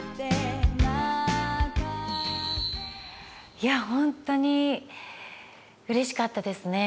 いや本当にうれしかったですね。